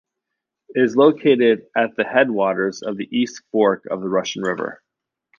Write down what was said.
It is located at the headwaters of the East Fork of the Russian River.